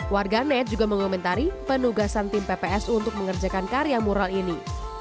warga net juga mengomentari penugasan tim ppsu untuk mengerjakan karya mural ini